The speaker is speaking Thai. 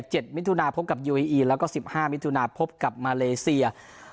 มิถุนาพบกับยูเออีอีแล้วก็สิบห้ามิถุนาพบกับมาเลเซีย